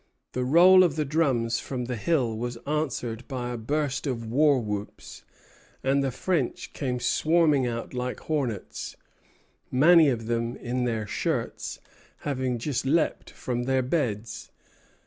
The roll of the drums from the hill was answered by a burst of war whoops, and the French came swarming out like hornets, many of them in their shirts, having just leaped from their beds.